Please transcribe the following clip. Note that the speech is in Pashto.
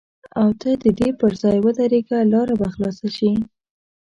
او ته د دې پر ځای ودرېږه لاره به خلاصه شي.